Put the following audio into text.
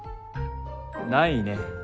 ないね。